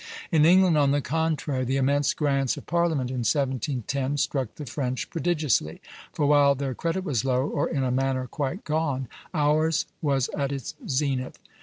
"In England, on the contrary, the immense grants of Parliament in 1710 struck the French prodigiously; for while their credit was low, or in a manner quite gone, ours was at its zenith."